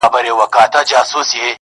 سوچه کاپیر وم چي راتلم تر میخانې پوري~